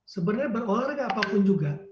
sebenarnya berolahraga apapun juga